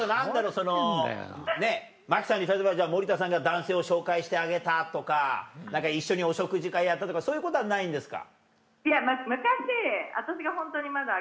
そのねっ真木さんに例えば森田さんが男性を紹介してあげたとか何か一緒にお食事会やったとかそういうことはないんですか？